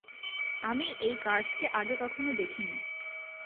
আমি এই কার্সকে আগে কখনো দেখিনি।